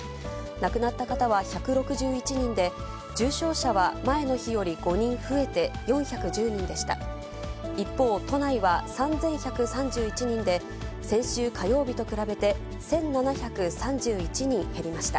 亡くなった方は１６１人で、重症者は前の日より５人増えて４１０人でした。